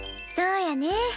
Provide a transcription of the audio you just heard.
そうやね。